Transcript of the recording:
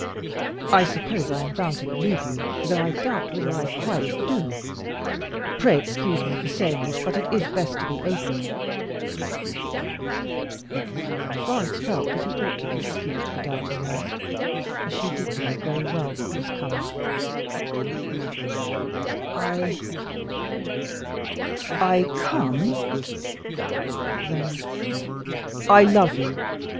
I suppose I am bound to believe you, though I doubt whether I quite do. Pray excuse me for saying this, but it is best to be open." Florence felt that he ought to be excused for doubting her, as she did know very well what was coming. "I I Come, then; I love you!